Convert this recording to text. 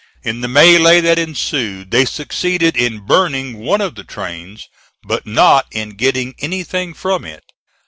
In the melee that ensued they succeeded in burning one of the trains, but not in getting anything from it.